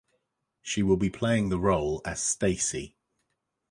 She will be playing the role as "Stacy".